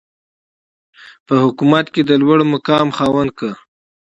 په حکومت کې د لوړمقام خاوند کړ.